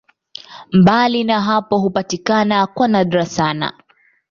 Mbali na hapo hupatikana kwa nadra sana.